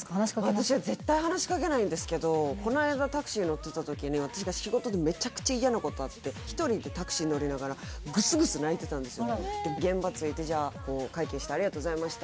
私は絶対話しかけないんですけどこの間タクシー乗ってた時に私が仕事でめちゃくちゃ嫌なことあって１人でタクシー乗りながら現場着いてじゃあこう会計して「ありがとうございました」